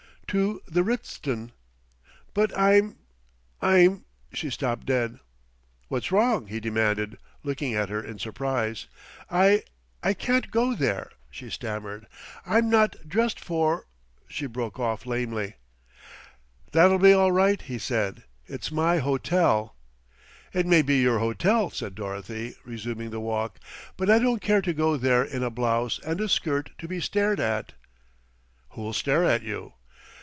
"To the Ritzton." "But I'm I'm " she stopped dead. "What's wrong?" he demanded, looking at her in surprise. "I I can't go there," she stammered. "I'm not dressed for " She broke off lamely. "That'll be all right," he said. "It's my hotel." "It may be your hotel," said Dorothy, resuming the walk, "but I don't care to go there in a blouse and a skirt to be stared at." "Who'll stare at you?"